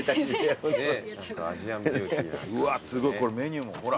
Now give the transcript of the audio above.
うわすごいこれメニューもほら。